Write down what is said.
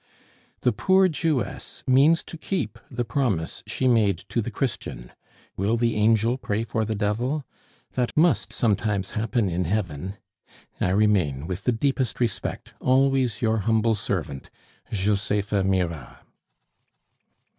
"The poor Jewess means to keep the promise she made to the Christian. Will the angel pray for the devil? That must sometimes happen in heaven. I remain, with the deepest respect, always your humble servant, "JOSEPHA MIRAH."